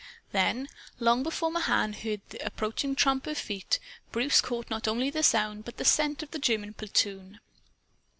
Then long before Mahan heard the approaching tramp of feet Bruce caught not only the sound but the scent of the German platoon.